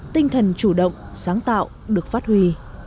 tinh thần chủ động sáng tạo được phát huy